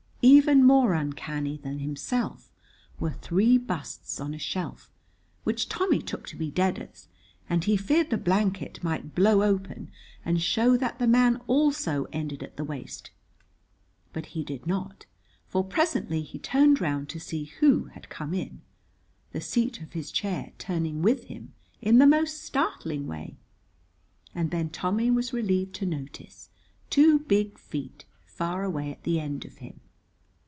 Even more uncanny than himself were three busts on a shelf, which Tommy took to be deaders, and he feared the blanket might blow open and show that the man also ended at the waist. But he did not, for presently he turned round to see who had come in (the seat of his chair turning with him in the most startling way) and then Tommy was relieved to notice two big feet far away at the end of him.